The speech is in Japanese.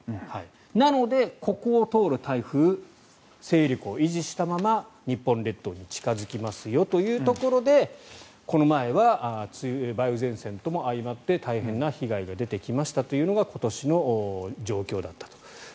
なので、ここを通る台風勢力を維持したまま日本列島に近付きますよというところでこの前は梅雨前線とも相まって大変な被害が出てきましたというのが今年の状況だったと。